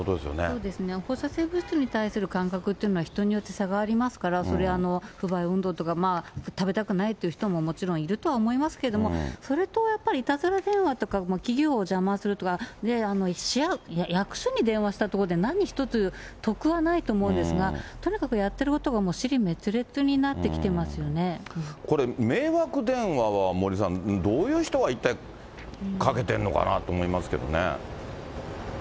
そうですね、放射性物質に対する感覚というのは、人によって差がありますから、それは不買運動とか、食べたくないという人ももちろんいるとは思いますけど、それとやっぱりいたずら電話とか、企業を邪魔するとか、役所に電話したところで何一つ得はないと思うんですが、とにかくやってることが、これ、迷惑電話は、森さん、どういう人が一体かけてるのかなと思いますけどね。